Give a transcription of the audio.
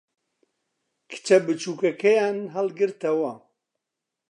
کچە بچووکەکەیان ھەڵگرتەوە.